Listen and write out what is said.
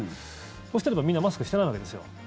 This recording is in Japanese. そうしたら、みんなマスクしてないわけですよ。